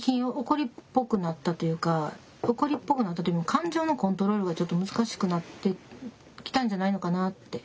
怒りっぽくなったというよりも感情のコントロールがちょっと難しくなってきたんじゃないのかなって。